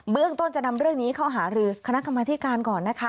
เรื่องต้นจะนำเรื่องนี้เข้าหารือคณะกรรมธิการก่อนนะคะ